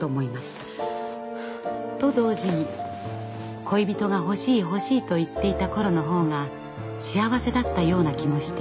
と同時に恋人が欲しい欲しいと言っていた頃の方が幸せだったような気もしていました。